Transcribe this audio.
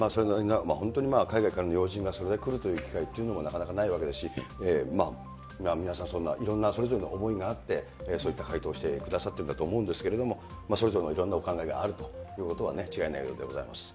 本当に海外からの要人がそれほど来るということもなかなかないわけですし、皆さんいろんなそれぞれの思いがあって、そういった回答をしてくださっているんだと思うんですけど、それぞれのいろんなお考えがあるということは違いないようでございます。